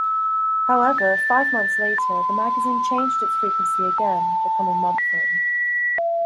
However, five months later the magazine changed its frequency again, becoming monthly.